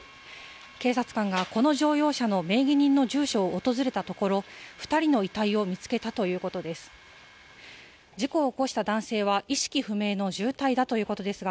警察官がこの乗用車の名義人の住所を訪れたところ、２人の遺体を見つけたということです。